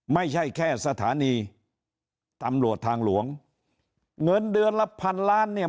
ไม่ใช่แค่สถานีตำรวจทางหลวงเงินเดือนละพันล้านเนี่ย